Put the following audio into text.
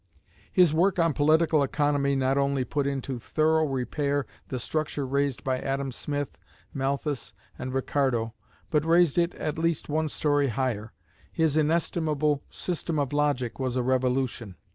His work on political economy not only put into thorough repair the structure raised by Adam Smith, Malthus, and Ricardo, but raised it at least one story higher. His inestimable "System of Logic" was a revolution.